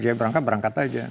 jadi berangkat berangkat aja